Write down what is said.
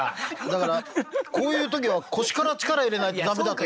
だからこういう時は腰から力入れないと駄目だって。